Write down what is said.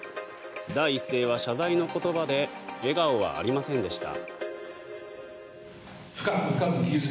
第一声は謝罪の言葉で笑顔はありませんでした。